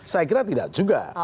saya kira tidak juga